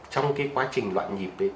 trong quá trình loạn nhịp